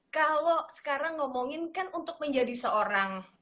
kalau sekarang ngomongin kan untuk menjadi seorang